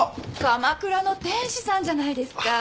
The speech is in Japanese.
鎌倉の天使さんじゃないですか。